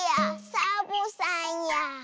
サボさんや。